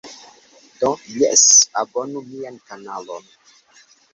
Do, jes, abonu mian kanalon.